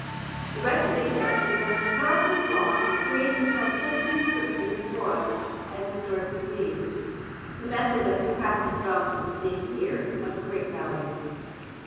The rest of the characters are most powerfully drawn and create themselves simply and swiftly before us as the story proceeds, the method of the practised dramatist being here of great value.